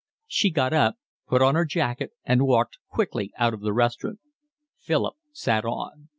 She got up, put on her jacket, and walked quickly out of the restaurant. Philip sat on.